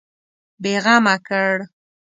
بېغمه کړ.